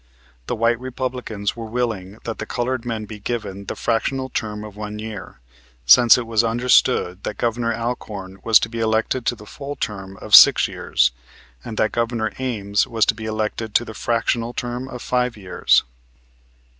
The white Republicans were willing that the colored men be given the fractional term of one year, since it was understood that Governor Alcorn was to be elected to the full term of six years and that Governor Ames was to be elected to the fractional term of five years.